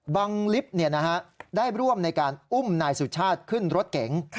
ลิฟต์ได้ร่วมในการอุ้มนายสุชาติขึ้นรถเก๋ง